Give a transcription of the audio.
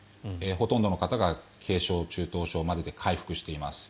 ほとんどの方が軽症、中等症までで回復しています。